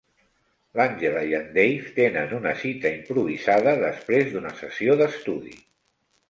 L'Angela i en Dave tenen una cita improvisada després d'una sessió d'estudi.